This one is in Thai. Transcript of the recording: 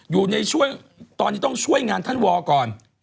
อยู่ในช่วงตอนนี้ต้องช่วยงานท่านวอก่อน